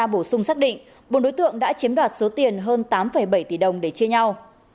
theo điều tra bổ sung xác định bốn đối tượng đã chiếm đoạt số tiền hơn tám bảy tỷ đồng để chia nhau